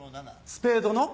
スペードの？